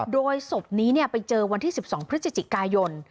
โดยศพนี้ไปเจอวันที่๑๒พฤศจิกายน